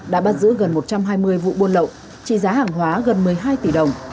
đã bắt giữ gần một trăm hai mươi vụ buôn lậu trị giá hàng hóa gần một mươi hai tỷ đồng